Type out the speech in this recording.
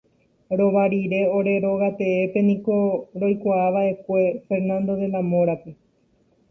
Rova rire ore rogateépe niko roikova'ekue Fernando de la Mora-pe.